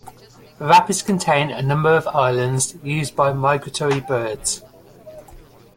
The rapids contain a number of islands used by migratory birds.